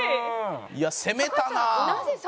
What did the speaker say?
いや攻めたなあ！